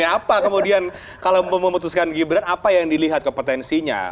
apa kemudian kalau memutuskan gibran apa yang dilihat kompetensinya